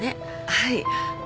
はい。